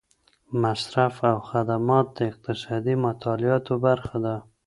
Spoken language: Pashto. مصرف او خدمات د اقتصادي مطالعاتو برخه ده.